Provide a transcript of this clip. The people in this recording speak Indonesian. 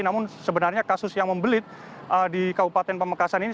namun sebenarnya kasus yang membelit di kabupaten pamekasan ini